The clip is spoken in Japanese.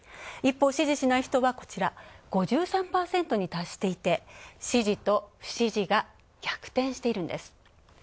一方、支持しない人は５３％に達していて支持と不支持が逆転しているんです。